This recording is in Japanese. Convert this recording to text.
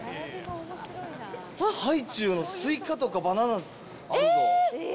ハイチューのスイカとかバナナあるよ。